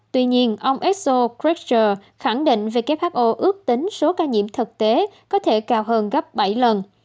tuy nhiên ông eso crector khẳng định who ước tính số ca nhiễm thực tế có thể cao hơn gấp bảy lần